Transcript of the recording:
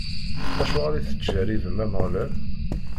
Acuɣer i tettjeṛṛibem Ameɣlal?